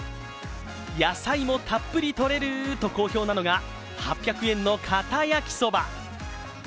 野菜もたっぷりとれると好評なのが、８００円のかた焼きそば。